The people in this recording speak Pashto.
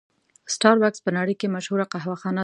سټار بکس په نړۍ کې مشهوره قهوه خانه ده.